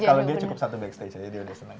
kalo dia cukup satu backstage aja dia udah seneng